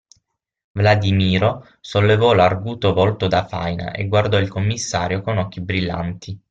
Vladimiro sollevò l'arguto volto da faina e guardò il commissario con occhi brillanti.